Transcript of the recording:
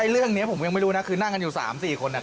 เรื่องนี้ผมยังไม่รู้นะคือนั่งกันอยู่๓๔คน